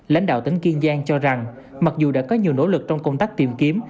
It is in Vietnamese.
lãnh đạo tỉnh kiên giang cho rằng mặc dù đã có nhiều nỗ lực trong công tác tìm kiếm